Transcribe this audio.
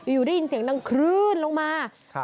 อยู่ได้ยินเสียงดังคลื่นลงมา